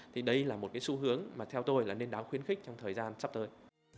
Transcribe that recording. thì đây là một cái xu hướng mà theo tôi là nên đáng khuyến khích trong thời gian sắp tới